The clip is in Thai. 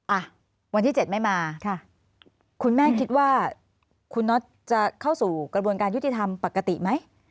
อ่ะวันที่เจ็ดไม่มาค่ะคุณแม่คิดว่าคุณน็อตจะเข้าสู่กระบวนการยุติธรรมปกติไหม